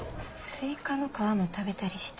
スイカの皮も食べたりして。